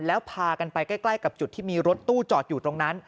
แล้วพากันไปใกล้กับจุดที่มีรถตู้จอดอยู่ตรงนั้น